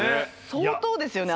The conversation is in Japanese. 相当ですよね。